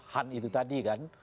han itu tadi kan